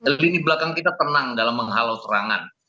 lini belakang kita tenang dalam menghalau serangan